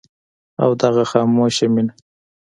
او دغه خاموشه مينه